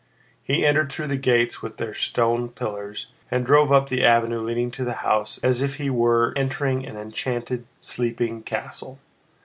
He entered through the gates with their stone pillars and drove up the avenue leading to the house as if he were entering an enchanted, sleeping castle.